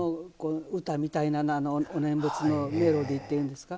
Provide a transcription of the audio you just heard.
歌みたいな、お念仏のメロディーというんですか。